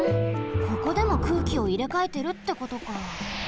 ここでも空気をいれかえてるってことか。